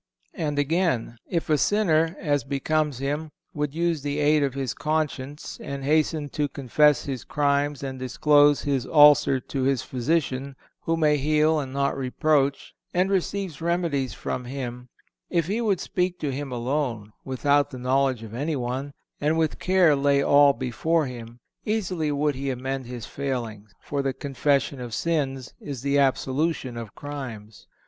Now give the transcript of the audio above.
(452) And again: "If a sinner, as becomes him; would use the aid of his conscience, and hasten to confess his crimes and disclose his ulcer to his physician, who may heal and not reproach, and receive remedies from him; if he would speak to him alone, without the knowledge of any one, and with care lay all before him, easily would he amend his failings; for the confession of sins is the absolution of crimes."